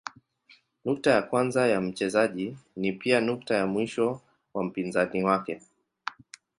Nukta ya kwanza ya mchezaji ni pia nukta ya mwisho wa mpinzani wake.